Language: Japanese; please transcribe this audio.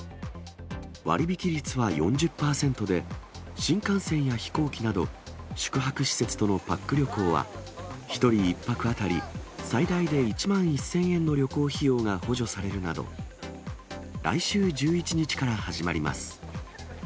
割引率は４０％で、新幹線や飛行機など、宿泊施設とのパック旅行は、１人１泊当たり最大で１万１０００円の旅行費用が補助されるなど、来週１１日から始まります。